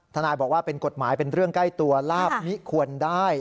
ทนายบอกว่าเป็นกฎหมายเป็นเรื่องใกล้ตัวลาบมิควรได้